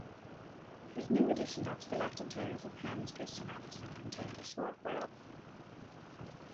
His new edition of selected tales of Hans Christian Andersen contains a short biography.